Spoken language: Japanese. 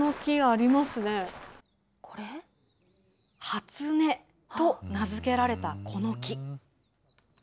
初音と名付けられたこの木。